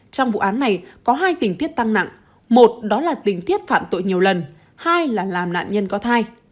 trong vụ án này có hai tình tiết tăng nặng một đó là tình tiết phạm tội nhiều lần hai là làm nạn nhân có thai